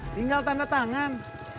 tinggal tanda tangan